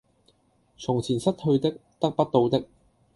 從前失去的、得不到的